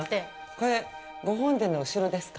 これ、御本殿の後ろですか？